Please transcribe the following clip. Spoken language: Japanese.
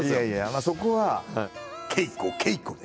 まあそこは稽古稽古で！